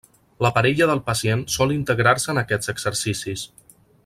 La parella del pacient sol integrar-se en aquests exercicis.